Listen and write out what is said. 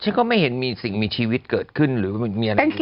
ฉันก็ไม่เห็นมีสิ่งมีชีวิตเกิดขึ้นหรือมีอะไรอย่างนี้